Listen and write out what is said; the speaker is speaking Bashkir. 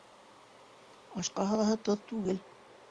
Ашҡа һалаһы тоҙ түгел.